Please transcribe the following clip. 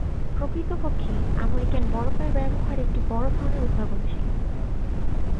প্রকৃতপক্ষে আমেরিকান বরফের ব্যবহার একটি বড় ধরনের উদ্ভাবন ছিল।